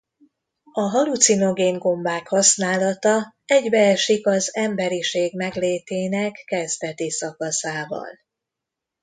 A hallucinogén gombák használata egybeesik az emberiség meglétének kezdeti szakaszával.